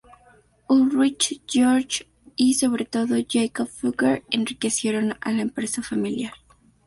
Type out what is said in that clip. Ulrich, Georg y, sobre todo, Jakob Fugger enriquecieron a la empresa familiar.